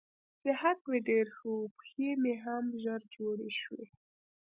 صحت مې ډېر ښه و، پښې مې هم ژر جوړې شوې.